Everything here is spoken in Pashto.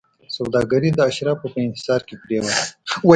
سوداګري د اشرافو په انحصار کې پرېوته.